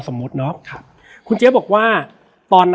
และวันนี้แขกรับเชิญที่จะมาเชิญที่เรา